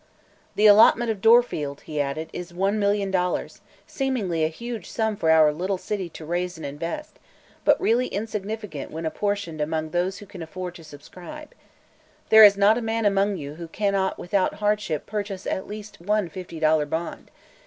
"The allotment of Dorfield," he added, "is one million dollars, seemingly a huge sum for our little city to raise and invest, but really insignificant when apportioned among those who can afford to subscribe. There is not a man among you who cannot without hardship purchase at least one fifty dollar bond.